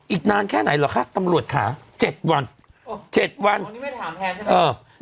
อีกนานแค่ไหนเหรอคะตำรวจค่ะเจ็ดวันเจ็ดวันนี้ไม่ได้ถามแทนใช่ไหมเออ